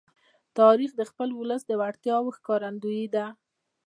تاریخ د خپل ولس د وړتیاو ښکارندوی دی.